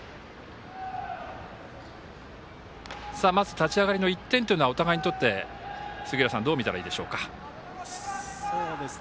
立ち上がりの１点というのはお互いにとってどう見たらいいでしょうか。